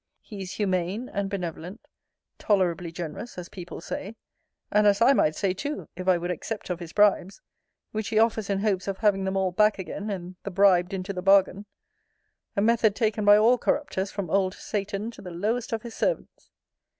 He is humane and benevolent, tolerably generous, as people say; and as I might say too, if I would accept of his bribes; which he offers in hopes of having them all back again, and the bribed into the bargain. A method taken by all corrupters, from old Satan, to the lowest of his servants.